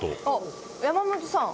山本さん！